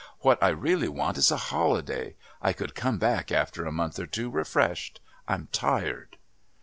What I really want is a holiday. I could come back after a month or two refreshed. I'm tired."